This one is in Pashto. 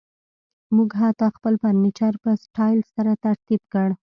موږ حتی خپل فرنیچر په سټایل سره ترتیب کړ